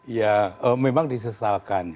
ya memang disesalkan